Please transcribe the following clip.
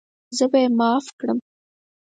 زه به یې معاف کړم.